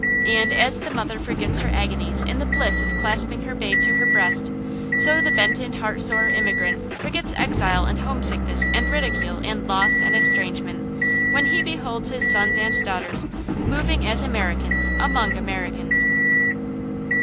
And as the mother forgets her agonies in the bliss of clasping her babe to her breast, so the bent and heart sore immigrant forgets exile and homesickness and ridicule and loss and estrangement, when he beholds his sons and daughters moving as Americans among Americans.